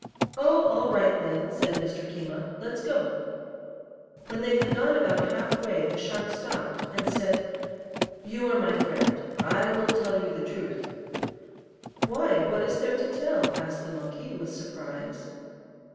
"Oh, all right, then," said Mr. Keema; "let's go." When they had gone about half way the shark stopped, and said: "You are my friend. I will tell you the truth." "Why, what is there to tell?" asked the monkey, with surprise.